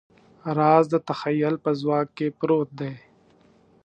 راز د تخیل په ځواک کې پروت دی.